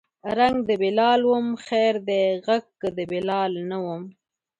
رنګ د بلال وم خیر دی غږ که د بلال نه وم